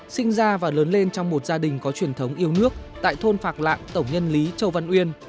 sinh ra và lớn lên trong một gia đình có truyền thống yêu nước tại thôn phạc lạng tổng nhân lý châu văn uyên